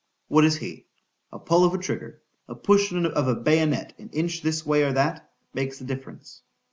—What is he? A pull of a trigger—a push of a bayonet an inch this way or that—makes the difference.